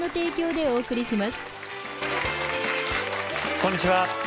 こんにちは